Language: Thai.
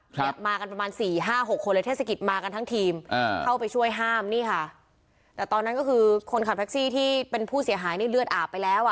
เนี่ยมากันประมาณสี่ห้าหกคนเลยเทศกิจมากันทั้งทีมอ่าเข้าไปช่วยห้ามนี่ค่ะแต่ตอนนั้นก็คือคนขับแท็กซี่ที่เป็นผู้เสียหายนี่เลือดอาบไปแล้วอ่ะ